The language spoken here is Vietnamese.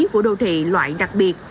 của đô thị loại đặc biệt